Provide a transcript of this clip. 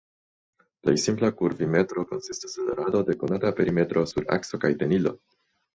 Plej simpla kurvimetro konsistas el rado de konata perimetro sur akso kaj tenilo.